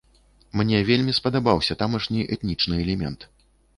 Мне вельмі спадабаўся тамашні этнічны элемент.